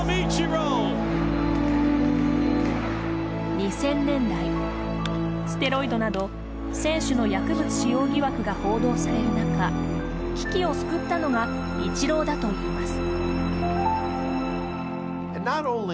２０００年代、ステロイドなど選手の薬物使用疑惑が報道される中危機を救ったのがイチローだといいます。